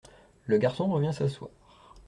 Le garçon revient s’asseoir.